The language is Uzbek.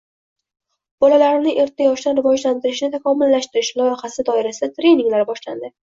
«Bolalarni erta yoshdan rivojlantirishni takomillashtirish» loyihasi doirasida treninglar boshlandi